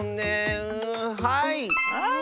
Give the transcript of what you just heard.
はい！